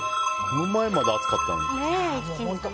この前まで暑かったのに。